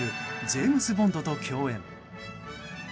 ジェームス・ボンドと共演。